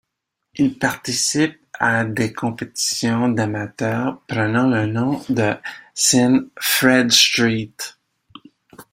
Il participe à des compétitions d'amateur, prenant le nom de scène Fred St.